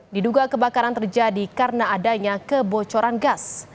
diduga kebakaran terjadi karena adanya kebocoran gas